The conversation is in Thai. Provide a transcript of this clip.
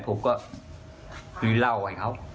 ผมก็หรือเล่าไว้เขา